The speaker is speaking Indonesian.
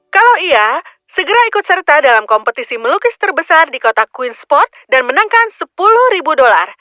kalau iya segera ikut serta dalam kompetisi melukis terbesar di kota queen sport dan menangkan sepuluh ribu dolar